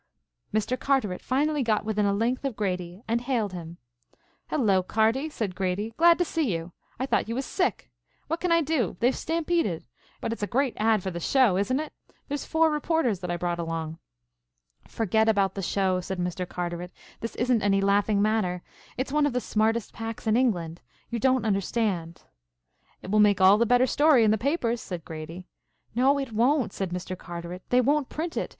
Mr. Carteret finally got within a length of Grady and hailed him. "Hello, Carty," said Grady, "glad to see you. I thought you was sick. What can I do? They've stampeded. But it's a great ad. for the show, isn't it? There's four reporters that I brought along." "Forget about the show," said Mr. Carteret. "This isn't any laughing matter. It's one of the smartest packs in England. You don't understand." "It will make all the better story in the papers," said Grady. "No it won't," said Mr. Carteret. "They won't print it.